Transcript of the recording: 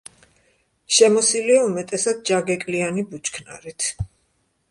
შემოსილია უმეტესად ჯაგეკლიანი ბუჩქნარით.